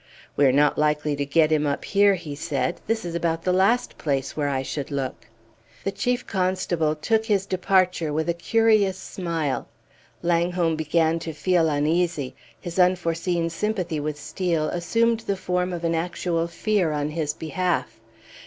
"We are not likely to get him up here," he said. "This is about the last place where I should look!" The Chief Constable took his departure with a curious smile. Langholm began to feel uneasy; his unforeseen sympathy with Steel assumed the form of an actual fear on his behalf.